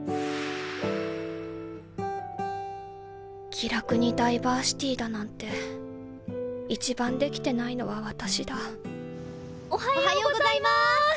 「気楽にダイバーシティー」だなんて一番できてないのは私だおはようございます！